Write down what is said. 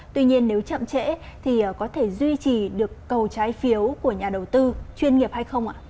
tuy nhiên nếu chậm trễ thì có thể duy trì được cầu trái phiếu của nhà đầu tư chuyên nghiệp hay không ạ